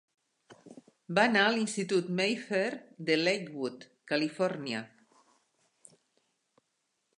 Va anar a l'institut Mayfair de Lakewood, Califòrnia.